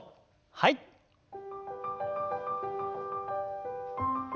はい。